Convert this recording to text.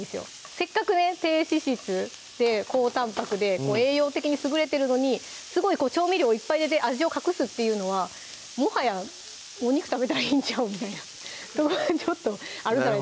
せっかくね低脂質・高タンパクで栄養的にすぐれてるのにすごい調味料をいっぱい入れて味を隠すっていうのはもはやお肉食べたらいいんちゃうんみたいなそこがちょっとなるほどね